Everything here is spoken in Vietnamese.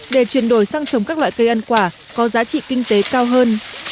để chuyển đổi sang trồng các loại cây ăn quả có giá trị kinh tế cao hơn